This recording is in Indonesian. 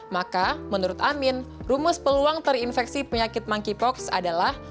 maka menurut amin rumus peluang terinfeksi penyakit monkeypox adalah